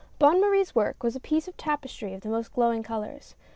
Bonne Marie's work was a piece of tapestry of the most glowing colors.